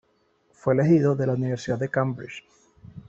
Fue elegido de la Universidad de Cambridge.